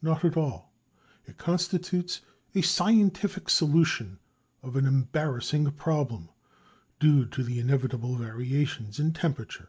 Not at all—it constitutes a scientific solution of an embarrasing problem, due to the inevitable variations in temperature.